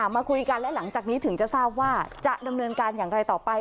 มาคุยกันและหลังจากนี้ถึงจะทราบว่าจะดำเนินการอย่างไรต่อไป